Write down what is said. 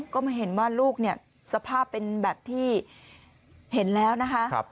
ก็มาเห็นว่าลูกเนี่ยสภาพเป็นแบบที่เห็นแล้วนะคะ